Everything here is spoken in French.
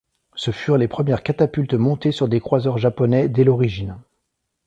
Ce furent les premières catapultes montées sur des croiseurs japonais dès l'origine.